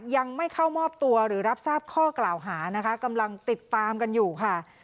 ยังไม่เข้ามอบตัวหรือรับทราบข้อกล่าวหานะคะกำลังติดตามกันอยู่ค่ะ